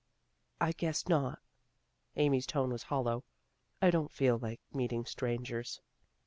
" I guess not." Amy's tone was hollow. " I don't feel like meeting strangers."